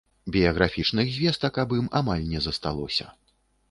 Біяграфічных звестак аб ім амаль не засталося.